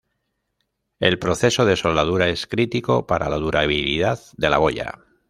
El proceso de soldadura es crítico para la durabilidad de la boya.